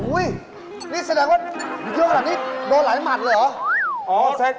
โอ้โฮนี่แสดงว่ายกหลังนี้โดนหลายหมัดเลยเหรอ